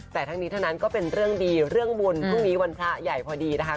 แต่ทั้งนี้ทั้งนั้นก็เป็นเรื่องดีเรื่องบุญพรุ่งนี้วันพระใหญ่พอดีนะคะ